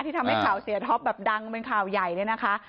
ทำให้ข่าวเสียท็อปแบบดังเป็นข่าวใหญ่เนี่ยนะคะ